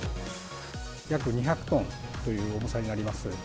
約２００トンという重さになります。